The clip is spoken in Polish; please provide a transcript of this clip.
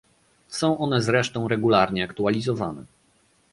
Są one zresztą regularnie aktualizowane